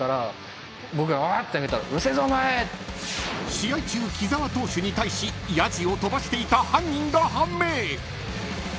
［試合中木澤投手に対しヤジを飛ばしていた犯人が判明］